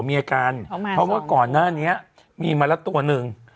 เพราะว่าก่อนหน้านี้มีมาละตัวหนึ่ง